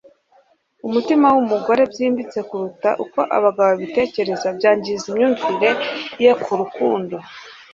umutima wumugore byimbitse kuruta uko abagabo babitekereza byangiza imyumvire ye ku rukundo